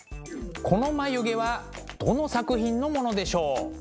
この眉毛はどの作品のものでしょう？